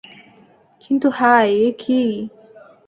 কিন্তু হায়, এ কী!